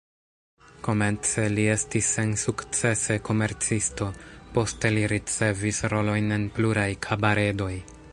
Komence li estis sensukcese komercisto, poste li ricevis rolojn en pluraj kabaredoj.